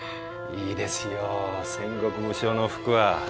いいですよ戦国武将の服は。